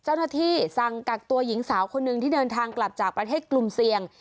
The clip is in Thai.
เจ้าหน้าที่สั่งกักตัวหญิงสาวคนหนึ่งที่เดินทางกลับจากประเทศกลุ่มเสี่ยง